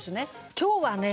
今日はね